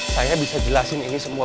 saya bisa jelasin ini semua